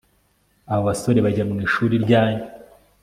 abo basore bajya mwishuri ryanyu